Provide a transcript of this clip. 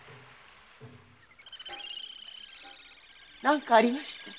何かありました？